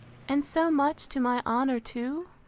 And so much to my honour too?